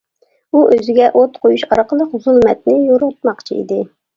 ئۇ ئۆزىگە ئوت قويۇش ئارقىلىق زۇلمەتنى يورۇتماقچى ئىدى.